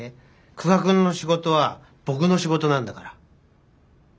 久我君の仕事は僕の仕事なんだから。